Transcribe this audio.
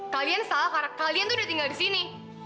kalian salah karena kalian tuh udah tinggal di sini